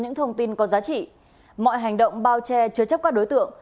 nếu quý vị có thông tin có giá trị mọi hành động bao che chứa chấp các đối tượng